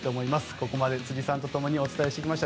ここまで辻さんとともにお伝えしてきました。